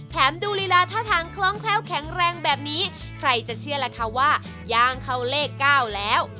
ดูลีลาท่าทางคล้องแคล้วแข็งแรงแบบนี้ใครจะเชื่อล่ะคะว่าย่างเข้าเลข๙แล้ว